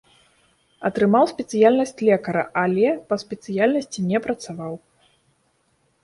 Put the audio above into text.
Атрымаў спецыяльнасць лекара, але па спецыяльнасці не працаваў.